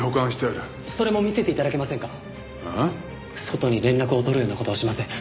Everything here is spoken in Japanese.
外に連絡を取るような事はしません。